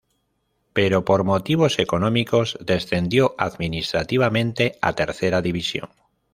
Pero por motivos económicos, descendió administrativamente a Tercera División.